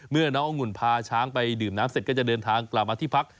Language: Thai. เมื่อน้ององุ่นพาช้างไปดื่มน้ำเสร็จก็จะเดินทางกลับมาที่พัก